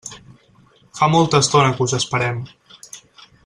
Fa molta estona que us esperem.